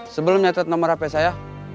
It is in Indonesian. sebelum nyatat nomor hp saya